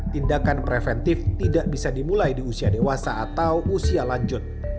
tindakan preventif tidak bisa dimulai di usia dewasa atau usia lanjut